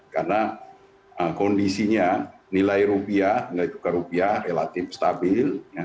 karena kondisinya nilai rupiah yaitu ke rupiah relatif stabil